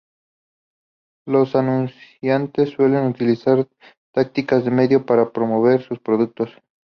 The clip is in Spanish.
Los anunciantes suelen utilizar tácticas de miedo para promover sus productos.